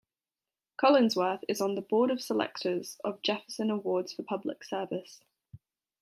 Collinsworth is on the Board of Selectors of Jefferson Awards for Public Service.